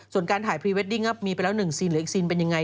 ส่วนการถ่ายพรีเวดดิ้งก็มีไปแล้ว๑ซีนหรืออีกซีนเป็นยังไง